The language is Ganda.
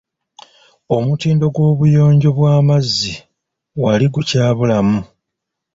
Omutindo gw'obuyonjo bw'amazzi wali gukyabulamu.